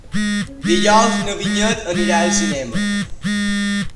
Dijous na Vinyet anirà al cinema.